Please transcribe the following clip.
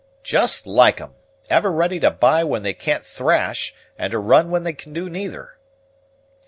"Just like 'em; ever ready to buy when they can't thrash, and to run when they can do neither."